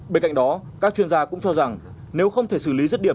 bên cạnh đó các chuyên gia cũng cho rằng nếu không thể xử lý rứt điểm